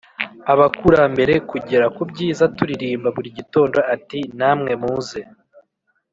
abakurambere kugera ku byiza turirimba buri gitondo Ati Namwe muze